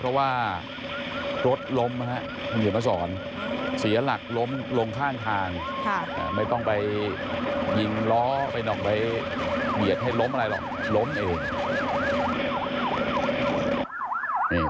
รถล้มเฉยมาสอนเสียหลักล้มลงข้างทางไม่ต้องไปยิงล้อไปไหนออกไปเหยียดให้ล้มอะไรหรอกล้มเอง